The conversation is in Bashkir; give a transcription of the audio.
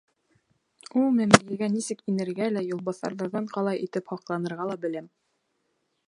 Ул мәмерйәгә нисек инергә лә, юлбаҫарҙарҙан ҡалай итеп һаҡланырға ла беләм.